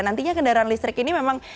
nantinya kendaraan listrik ini memang